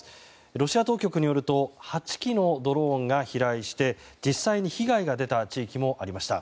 ロシア当局によると８機のドローンが飛来して実際に被害が出た地域もありました。